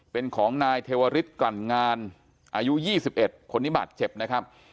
เป็นของนายเทวริสกลั่นงานอายุ๒๑คนนี้บาดเจ็บนะครับ